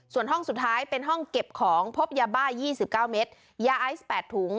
ส่วนห้องสุดท้ายเป็นห้องเก็บของพบยาบ้า๒๙เมตรยาไอซ์๘ถุง